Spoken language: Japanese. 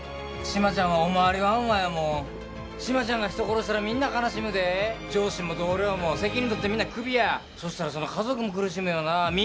志摩ちゃんはおまわりワンワンやもん志摩ちゃんが人殺したらみんな悲しむで上司も同僚も責任取ってみんなクビやそしたらその家族も苦しむよなあ